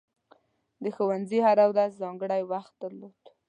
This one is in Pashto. د ښوونځي هره ورځ ځانګړی وخت درلود.